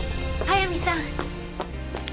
速水さん。